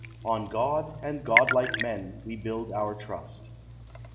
On God and Godlike men we build our trust.